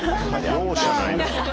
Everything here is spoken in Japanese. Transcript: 容赦ないな。